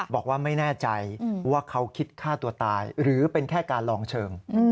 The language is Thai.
บอกว่าไม่แน่ใจว่าเขาคิดฆ่าตัวตายหรือเป็นแค่การลองเชิง